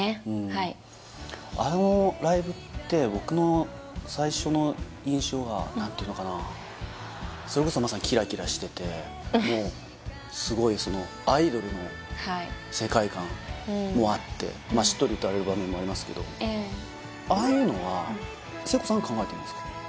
はいあのライブって僕の最初の印象が何ていうのかなそれこそまさにキラキラしててもうすごいそのもあってまあしっとり歌われる場面もありますけどああいうのは聖子さんが考えているんですか？